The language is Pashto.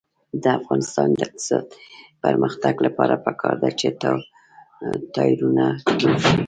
د افغانستان د اقتصادي پرمختګ لپاره پکار ده چې ټایرونه جوړ شي.